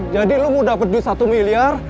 jadi lo mau dapet duit satu miliar